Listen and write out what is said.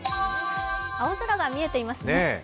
青空が見えていますね。